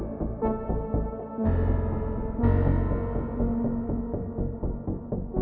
nanti jatuh malah nyalahin lagi